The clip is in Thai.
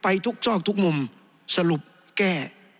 ทุกซอกทุกมุมสรุปแก้